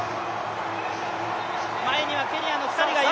前にはケニアの２人がいる。